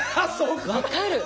分かる。